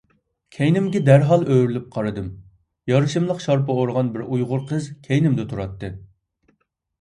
كەينىمگە دەرھال ئۆرۈلۈپ قارىدىم. يارىشىملىق شارپا ئورىغان بىر ئۇيغۇر قىز كەينىمدە تۇراتتى.